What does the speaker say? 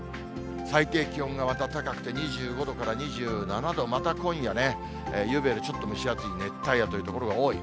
最低気温がまた高くて、２５度から２７度、また今夜ね、ゆうべよりちょっと蒸し暑い熱帯夜という所が多い。